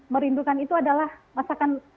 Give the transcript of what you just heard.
merindukan itu adalah masakan